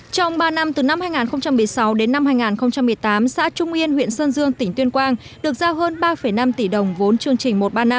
trong ba năm từ năm hai nghìn một mươi sáu đến năm hai nghìn một mươi tám xã trung yên huyện sơn dương tỉnh tuyên quang được giao hơn ba năm tỷ đồng vốn chương trình một trăm ba mươi năm